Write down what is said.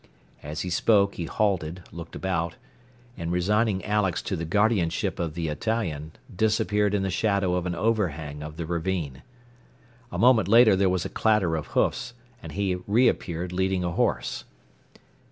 As he spoke he halted, looked about, and resigning Alex to the guardianship of the Italian, disappeared in the shadow of an over hang of the ravine. A moment later there was a clatter of hoofs, and he reappeared leading a horse.